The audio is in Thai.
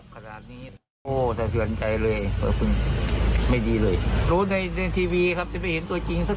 เขาบอกว่าอย่างไรไปจำนั่นแหละ